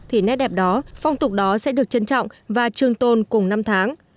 thì nét đẹp đó phong tục đó sẽ được trân trọng và trường tôn cùng năm tháng